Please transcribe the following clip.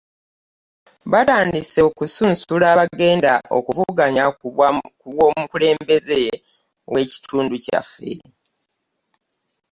Batandise okusunsula abagenda okuvuganya ku bw'omukulembeze we kituntu kyaffe.